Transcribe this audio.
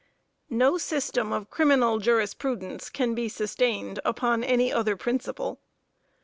No system of criminal jurisprudence can be sustained upon any other principle.